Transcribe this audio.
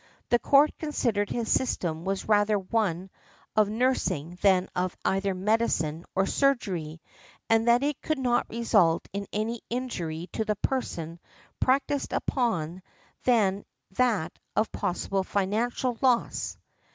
The court considered his system was rather one of nursing than of either medicine or surgery, and that it could not result in any injury to the person practised upon than that of possible financial loss .